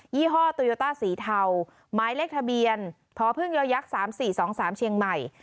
ยี่ห้อสีเทาไม้เล็กทะเบียนพอพึ่งยาวยักษ์สามสี่สองสามเชียงใหม่